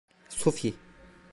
Sophie.